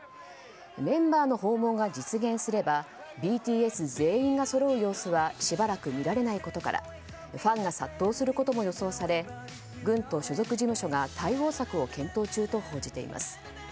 メンバーの訪問が実現すればＢＴＳ全員がそろう様子はしばらく見られないことからファンが殺到することも予想され軍と所属事務所が対応策を検討中と報じています。